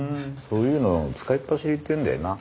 そういうの使いっぱしりっていうんだよな。